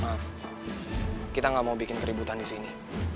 mas kita gak mau bikin keributan di sini